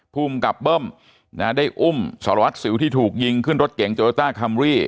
ภูมิกับเบิ้มได้อุ้มสารวัตรสิวที่ถูกยิงขึ้นรถเก๋งโยต้าคัมรี่